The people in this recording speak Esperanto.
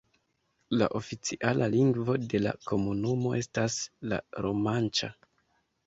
La oficiala lingvo de la komunumo estas la romanĉa.